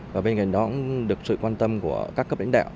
và bên cạnh đó cũng được sự quan tâm của các cấp đánh đạo